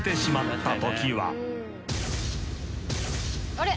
あれ？